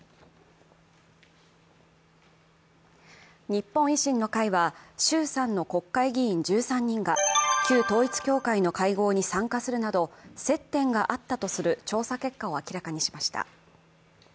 日本維新の会は、衆参の国会議員１３人が旧統一教会の会合に参加するなど接点があったとする調査結果を明らかにしました。